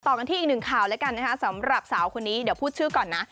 กันที่อีกหนึ่งข่าวแล้วกันนะคะสำหรับสาวคนนี้เดี๋ยวพูดชื่อก่อนนะ